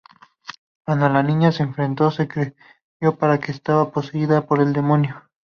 Cuando la niña se enfermó, se creyó que estaba poseída por el demonio.